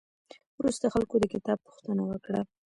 وروسته خلکو د کتاب پوښتنه وکړه.